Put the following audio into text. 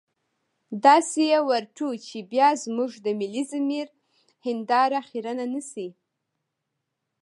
داسې يې ورټو چې بيا زموږ د ملي ضمير هنداره خيرنه نه شي.